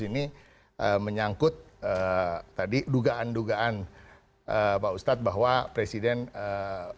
ini menyangkut tadi dugaan dugaan pak ustadz bahwa presiden political will nya enggak ada untuk